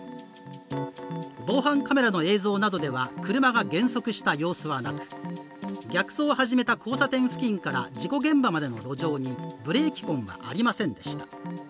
防犯カメラの映像などでは車が減速した様子はなく逆走を始めた交差点付近から事故現場までの路上にブレーキ痕はありませんでした。